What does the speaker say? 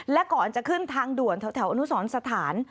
และก่อนจะขึ้นทางด่วนแถวอนุสรสถาน